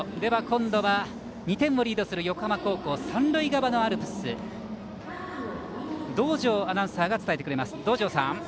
今度は２点をリードする横浜高校三塁側のアルプス道上アナウンサーが伝えてくれます。